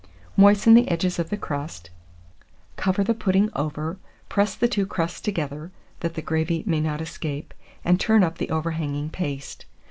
Moisten the edges of the crust, cover the pudding over, press the two crusts together, that the gravy may not escape, and turn up the overhanging paste.